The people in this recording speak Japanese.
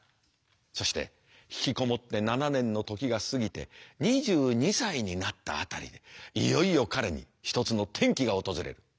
そして引きこもって７年の時が過ぎて２２歳になった辺りでいよいよ彼に一つの転機が訪れる。